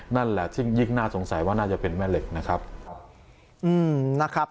นั่นแหละซึ่งยิ่งน่าสงสัยว่าน่าจะเป็นแม่เหล็กนะครับ